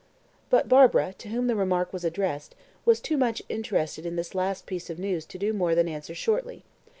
But Barbara, to whom the remark was addressed, was too much interested in this last piece of news to do more than answer shortly.